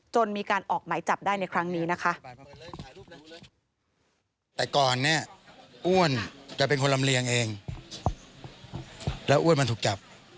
มีการออกไหมจับได้ในครั้งนี้นะคะ